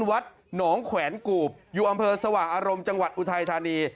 วัดหนองแขวนกูบอยู่อำเภอสว่างอารมณ์จังหวัดอุทัยธานี